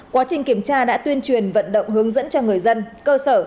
quá trình kiểm tra đã tuyên truyền vận động hướng dẫn cho người dân cơ sở